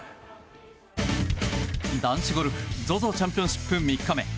男子ゴルフＺＯＺＯチャンピオンシップ３日目。